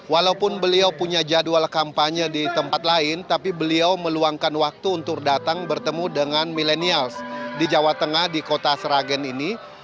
walaupun beliau punya jadwal kampanye di tempat lain tapi beliau meluangkan waktu untuk datang bertemu dengan milenials di jawa tengah di kota sragen ini